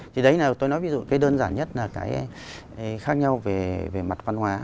thì đấy là tôi nói ví dụ cái đơn giản nhất là cái khác nhau về mặt văn hóa